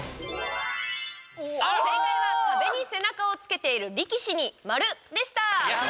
正解は、壁に背中をつけている力士に丸でした。